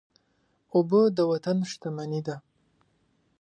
اوبه د وطن شتمني ده.